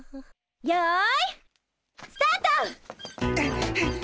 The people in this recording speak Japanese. よいスタート！